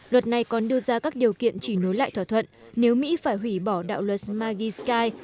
luật này còn đưa ra các điều kiện chỉ nối lại thỏa thuận nếu mỹ phải hủy bỏ đạo luật smagi sky